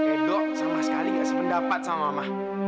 edo sama sekali gak sependapat sama mama